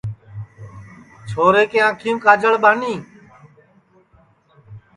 چھورے کے آنکھیم کاجݪ ٻانی